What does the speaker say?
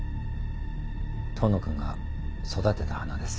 遠野君が育てた花です。